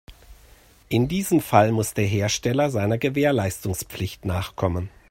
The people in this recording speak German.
In diesem Fall muss der Hersteller seiner Gewährleistungspflicht nachkommen.